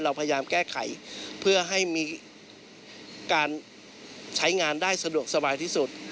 เราพยายามแก้ไขเพื่อให้มีการใช้งานได้สะดวกสบายที่สุด